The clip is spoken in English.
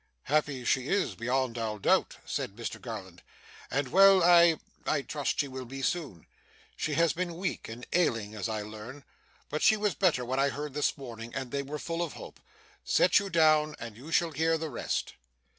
'Happy she is, beyond all doubt,' said Mr Garland. 'And well, I I trust she will be soon. She has been weak and ailing, as I learn, but she was better when I heard this morning, and they were full of hope. Sit you down, and you shall hear the rest.